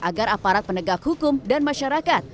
agar aparat penegak hukum dan masyarakat